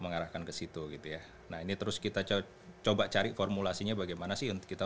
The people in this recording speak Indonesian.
mengarahkan ke situ gitu ya nah ini terus kita coba cari formulasinya bagaimana sih untuk kita